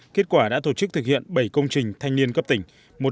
kết quả đã tổ chức thực hiện bảy công trình thanh niên cấp tỉnh